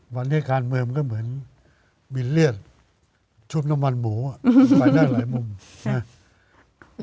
มานี้การเมืองก็เหมือนมิเลียสชุดน้ำวันหมูไปในหลายมุมใช่หรอ